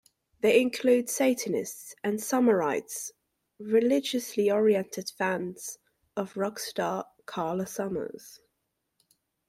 They include Satanists and "Sommerites", religiously oriented fans of rock star Karla Sommers.